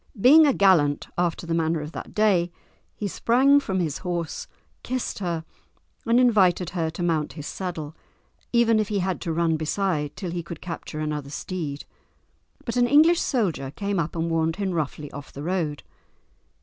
Being a gallant after the manner of that day, he sprang from his horse, kissed her, and invited her to mount his saddle even if he had to run beside till he could capture another steed. But an English soldier came up and warned him roughly off the road.